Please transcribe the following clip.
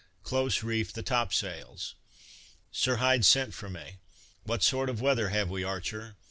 Close reefed the top sails. Sir Hyde sent for me: "What sort of weather have we, Archer!"